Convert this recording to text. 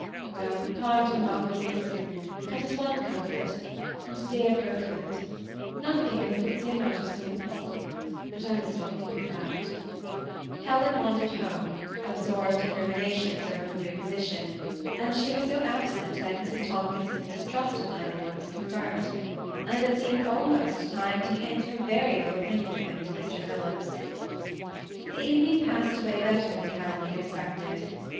Well, papa and mamma will be here soon, that is one comfort, and dear Beaufort Nothing THE SEMI ATTACHED COUPLE. 87 ever puts him out of sorts; but I must not think of that" Helen wandered home, absorbed in ruminations over her new position ; and she was so absent that Mrs. Tomkinson's distrust of my lord was confirmed ; and it seemed almost time to. bint ber very low opinioo of him to Mr. Phillips. The evening passed away better than Helen had expected.